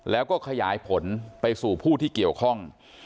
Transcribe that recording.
แล้วก็ขยายผลไปสู่ผู้ที่เกี่ยวข้อง